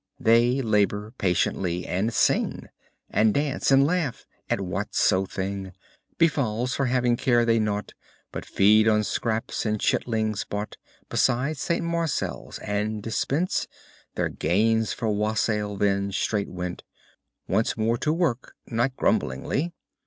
They labor patiently and sing. And dance, and laugh at whatso thing Befalls, for havings care they nought. But feed on scraps and chitlings bought Beside St. Marcel's, and dispend Their gains for wassail, then, straight wend Once more to work, not grumblingly.